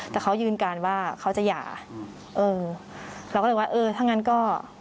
แต่เขายืนการว่าเขาจะหย่าเออเราก็เลยว่าเออถ้างั้นก็